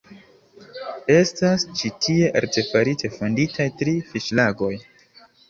Estas ĉi tie artefarite fonditaj tri fiŝlagoj.